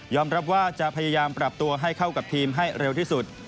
รับว่าจะพยายามปรับตัวให้เข้ากับทีมให้เร็วที่สุด